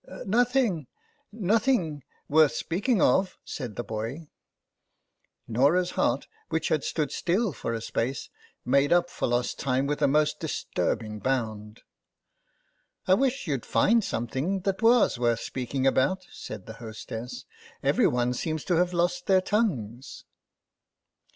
" Nothing — nothing worth speaking of," said the boy. Norah's heart, which had stood still for a THE BAG 8 1 space, made up for lost time with a most disturbing bound. " I wish you'd find something that was worth speaking about/' said the hostess ;" every one seems to have lost their tongues."